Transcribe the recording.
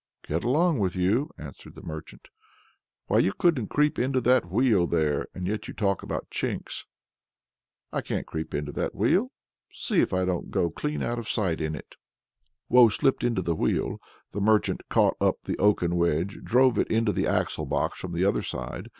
"Get along with you!" answered the merchant. "Why you couldn't creep into that wheel there, and yet you talk about chinks!" "I can't creep into that wheel? See if I don't go clean out of sight in it!" Woe slipped into the wheel; the merchant caught up the oaken wedge, and drove it into the axle box from the other side.